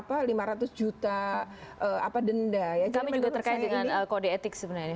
kami juga terkait dengan kode etik sebenarnya